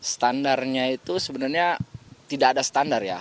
standarnya itu sebenarnya tidak ada standar ya